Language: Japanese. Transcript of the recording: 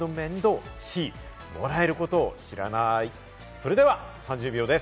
それでは３０秒です。